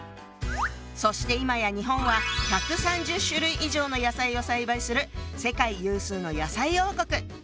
そしていまや日本は１３０種類以上の野菜を栽培する世界有数の野菜王国！